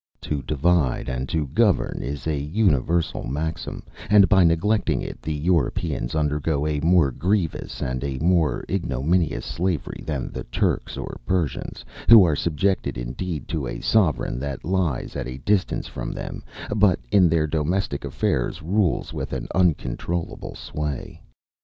To divide and to govern is an universal maxim; and by neglecting it, the Europeans undergo a more grievous and a more ignominious slavery than the Turks or Persians, who are subjected indeed to a sovereign that lies at a distance from them, but in their domestic affairs rules with an uncontrollable sway.